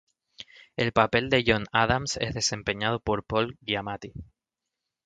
El papel de John Adams es desempeñado por Paul Giamatti.